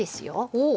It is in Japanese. おお。